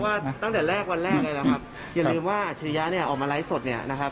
ตั้งแต่แรกวันแรกเลยนะครับอย่าลืมว่าอัจฉริยะเนี่ยออกมาไลฟ์สดเนี่ยนะครับ